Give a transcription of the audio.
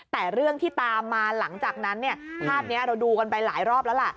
แต่เรื่องที่ตามมาหลังจากนั้นเนี่ยภาพนี้เราดูกันไปหลายรอบแล้วล่ะ